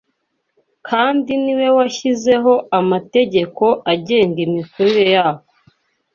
kandi ni We washyizeho amategeko agenga imikurire yako.